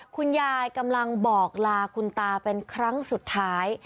คุณยายกำลังบอกลาคุณตาเป็นครั้งสุดท้าย